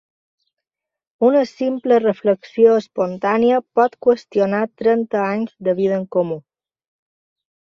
Una simple reflexió espontània pot qüestionar trenta anys de vida en comú.